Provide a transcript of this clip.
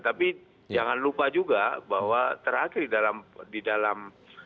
tapi jangan lupa juga bahwa terakhir di dalam